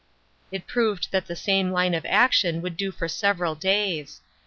It proved that the same line of action would do for several days.